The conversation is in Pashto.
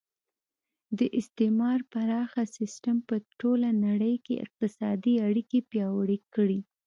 د استعمار پراخه سیسټم په ټوله نړۍ کې اقتصادي اړیکې پیاوړې کړې